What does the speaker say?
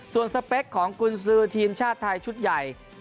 ส่วนสเปคของกุญสือทีมชาติไทยชุดใหญ่